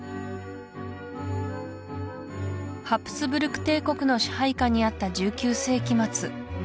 ハプスブルク帝国の支配下にあった１９世紀末